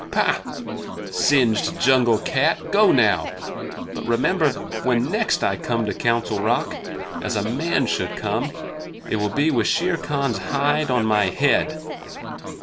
"Pah! Singed jungle cat go now! But remember when next I come to the Council Rock, as a man should come, it will be with Shere Khan's hide on my head.